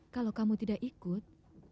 kalau kamu tidak ikut